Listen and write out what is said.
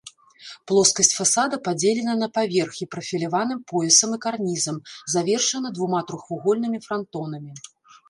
Плоскасць фасада падзелена на паверхі прафіляваным поясам і карнізам, завершана двума трохвугольнымі франтонамі.